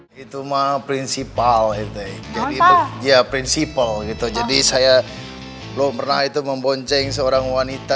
hai itu mah prinsipal itu ya prinsipal itu jadi saya belum pernah itu membonceng seorang wanita